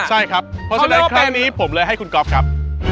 ใช่ครับเพราะฉะนั้นครั้งนี้ผมเลยให้คุณก๊อฟครับ